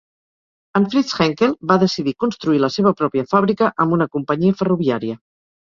En Fritz Henkel va decidir construir la seva pròpia fàbrica amb una companyia ferroviària.